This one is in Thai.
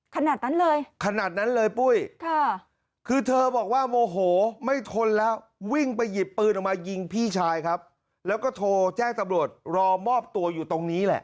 ขนาดนั้นเลยขนาดนั้นเลยปุ้ยค่ะคือเธอบอกว่าโมโหไม่ทนแล้ววิ่งไปหยิบปืนออกมายิงพี่ชายครับแล้วก็โทรแจ้งตำรวจรอมอบตัวอยู่ตรงนี้แหละ